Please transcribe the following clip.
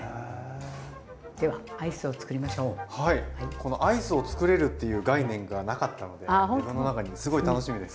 このアイスをつくれるっていう概念がなかったので自分の中にすごい楽しみです。